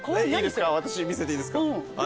私見せていいですか？